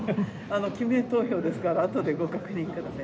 記名投票ですから、あとでご確認ください。